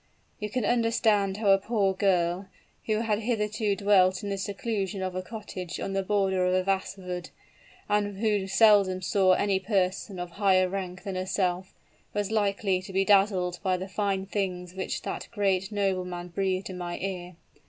"You can understand how a poor girl, who had hitherto dwelt in the seclusion of a cottage on the border of a vast wood, and who seldom saw any person of higher rank than herself, was likely to be dazzled by the fine things which that great nobleman breathed in her ear.